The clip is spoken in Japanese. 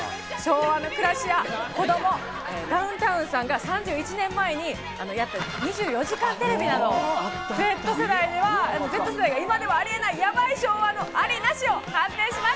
昭和の暮らしや子ども、ダウンタウンさんが３１年前にやった『２４時間テレビ』など、Ｚ世代が今ではありえない、やばい昭和のあり・なしを判定します。